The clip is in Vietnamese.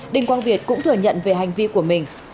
đinh quang việt cũng thừa nhận về hành vi của mình